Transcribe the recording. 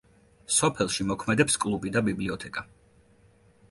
სოფელში მოქმედებს კლუბი და ბიბლიოთეკა.